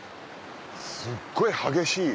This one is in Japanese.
すっごい激しい